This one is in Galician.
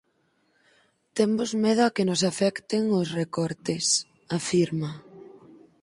"Temos medo a que nos afecten os recortes", afirma.